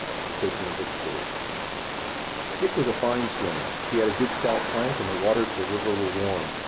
THE TAKING OF VICKSBURG Dick was a fine swimmer, he had a good stout plank, and the waters of the river were warm.